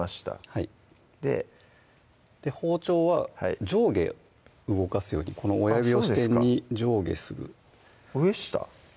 はいで包丁は上下動かすようにこの親指を支点に上下する上下？